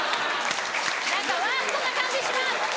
ワーストな感じします！